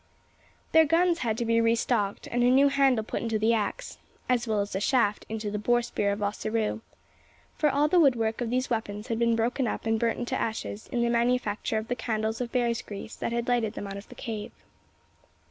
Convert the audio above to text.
Their guns had to be re stocked, and a new handle put into the axe as well as a shaft into the boar spear of Ossaroo for all the woodwork of these weapons had been broken up and burnt into ashes in the manufacture of the candles of bear's grease that had lighted them out of the cave.